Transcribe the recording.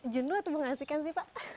jun lu tuh mengasikkan sih pak